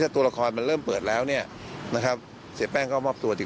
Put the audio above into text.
ถ้าตัวละครมันเริ่มเปิดแล้วเนี่ยนะครับเสพแป้งก็มอบตัวดี